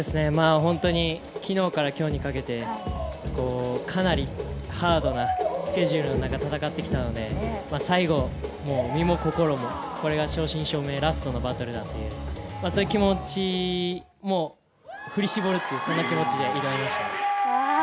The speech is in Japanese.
本当にきのうからきょうにかけて、かなりハードなスケジュールの中、戦ってきたので、最後、身も心も、これが正真正銘、ラストのバトルだって、そういう気持ちも振り絞って、そんな気持ちで挑みました。